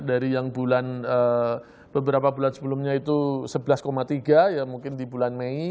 dari yang bulan beberapa bulan sebelumnya itu sebelas tiga ya mungkin di bulan mei